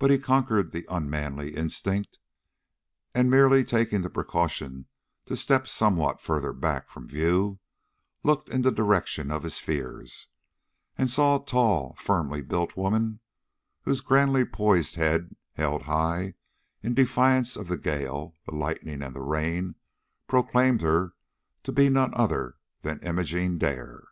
But he conquered the unmanly instinct, and merely taking the precaution to step somewhat further back from view, looked in the direction of his fears, and saw a tall, firmly built woman, whose grandly poised head, held high, in defiance of the gale, the lightning, and the rain, proclaimed her to be none other than Imogene Dare.